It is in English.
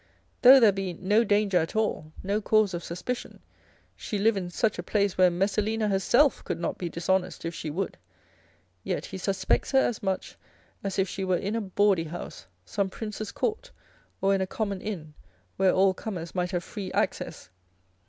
Though there be no danger at all, no cause of suspicion, she live in such a place, where Messalina herself could not be dishonest if she would, yet he suspects her as much as if she were in a bawdy house, some prince's court, or in a common inn, where all comers might have free access.